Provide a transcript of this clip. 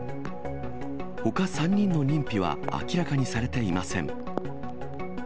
ほか３人の認否は明らかにされていません。